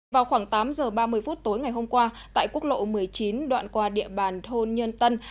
vào khoảng tám giờ ba mươi phút tối ngày hôm qua tại quốc lộ một mươi chín đoạn qua địa bàn thôn nhân tân